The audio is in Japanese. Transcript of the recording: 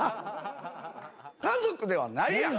家族ではないやん。